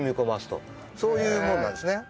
そういうものなんですね。